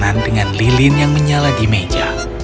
makanan dengan lilin yang menyala di meja